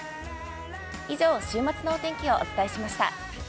以上、週末のお天気をお伝えしました。